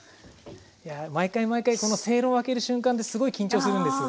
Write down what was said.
いやあ毎回毎回このせいろを開ける瞬間ってすごい緊張するんですよ。